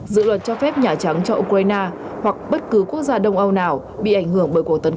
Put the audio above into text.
dự luật cho phép nhà trắng cho ukraine hoặc bất cứ quốc gia đông âu nào bị ảnh hưởng bởi cuộc tấn công